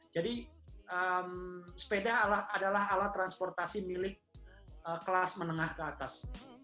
jadi sepeda adalah alat transportasi milik kelas menengah ke atas